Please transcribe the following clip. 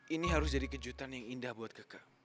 ini harus jadi kejutan yang indah buat kakak